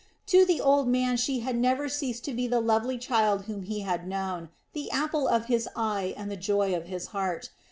To the old man she had never ceased to be the lovely child whom he had known, the apple of his eye and the joy of his heart.